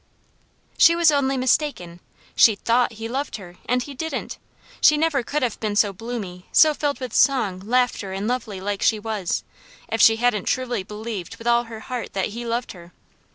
She was only mistaken. She THOUGHT he loved her, and he didn't. She never could have been so bloomy, so filled with song, laughter, and lovely like she was, if she hadn't truly believed with all her heart that he loved her.